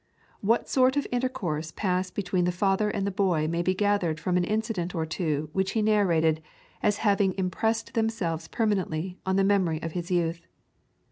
What sort of intercourse passed between the father and the boy may be gathered from an incident or two which he narrated as having impressed themselves permanently on the memory of his youth.